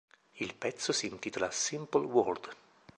Il pezzo si intitola "Simple World".